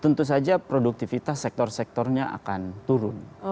tentu saja produktivitas sektor sektornya akan turun